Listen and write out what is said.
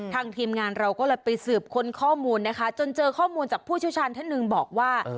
ทีมงานเราก็เลยไปสืบค้นข้อมูลนะคะจนเจอข้อมูลจากผู้เชี่ยวชาญท่านหนึ่งบอกว่า